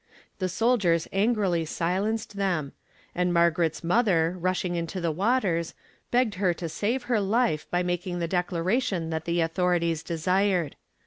The soldiers angrily silenced them, and Margaret's mother, rushing into the waters, begged her to save her life by making the declaration that the authorities desired.